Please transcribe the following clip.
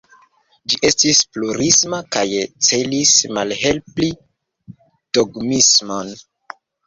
Ĝi estis plurisma kaj celis malhelpi dogmismon.